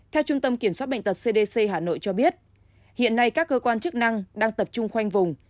theo trung tâm kiểm soát bệnh tật cdc hà nội cho biết hiện nay các cơ quan chức năng đang tập trung khoanh vùng